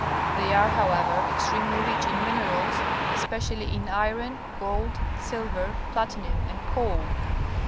They are, however, ex tremely rich in miner als, especially in iron, gold, silver, platinum, and coal.